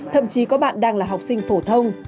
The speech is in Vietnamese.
thậm chí có bạn đang là học sinh phổ thông